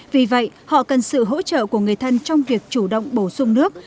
vì vậy họ cần sự hỗ trợ của người thân trong việc chủ động bổ sung nước